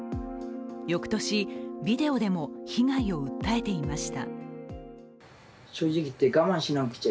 翌年、ビデオでも被害を訴えていました。